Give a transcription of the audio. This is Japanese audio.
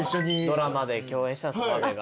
ドラマで共演したんです岡部が。